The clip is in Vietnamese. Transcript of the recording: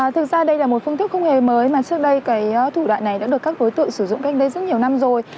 thực ra đây là một phương thức không hề mới mà trước đây cái thủ đoạn này đã được các đối tượng sử dụng cách đây rất nhiều năm rồi